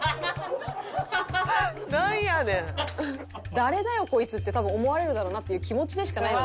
誰だよこいつって多分思われるだろうなっていう気持ちでしかないので。